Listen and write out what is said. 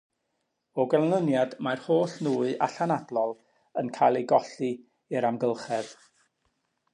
O ganlyniad, mae'r holl nwy allanadlol yn cael ei golli i'r amgylchoedd.